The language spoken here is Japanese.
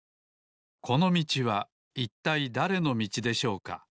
このみちはいったいだれのみちでしょうか？